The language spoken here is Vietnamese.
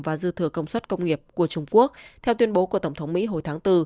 và dư thừa công suất công nghiệp của trung quốc theo tuyên bố của tổng thống mỹ hồi tháng bốn